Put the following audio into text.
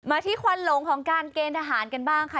ที่ควันหลงของการเกณฑ์ทหารกันบ้างค่ะ